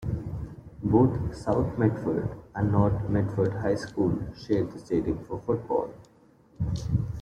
Both South Medford and North Medford High School share the stadium for football.